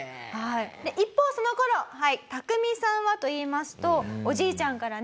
一方その頃タクミさんはといいますとおじいちゃんからね